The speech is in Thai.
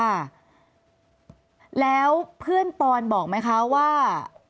ค่ะแล้วเพื่อนปอนบอกไหมคะว่า